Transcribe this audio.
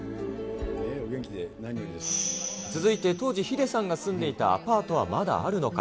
続いて、当時ヒデさんが住んでいたアパートはまだあるのか。